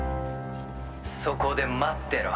「そこで待ってろ」